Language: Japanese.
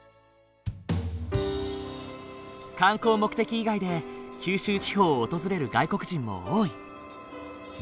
観光目的以外で九州地方を訪れる外国人も多い。